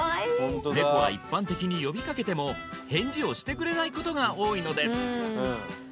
ネコは一般的に呼びかけても返事をしてくれないことが多いのです